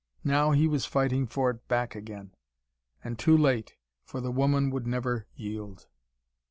Now he was fighting for it back again. And too late, for the woman would never yield.